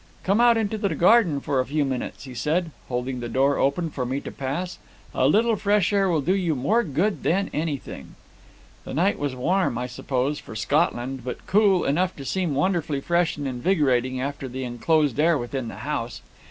'Come out into the garden for a few minutes,' he said, holding the door open for me to pass, 'a little fresh air will do you more good than anything.' "The night was warm, I suppose, for Scotland, but cool enough to seem wonderfully fresh and invigorating after the enclosed air within the house.